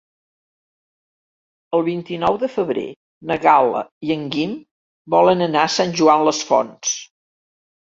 El vint-i-nou de febrer na Gal·la i en Guim volen anar a Sant Joan les Fonts.